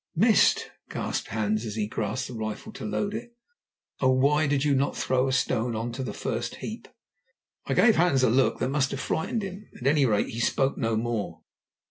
"Missed!" gasped Hans as he grasped the rifle to load it. "Oh! why did you not throw a stone on to the first heap?" I gave Hans a look that must have frightened him; at any rate, he spoke no more.